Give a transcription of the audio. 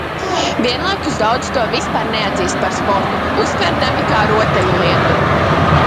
Vienlaikus daudzi to vispār neatzīst par sportu, uztverdami kā rotaļlietu.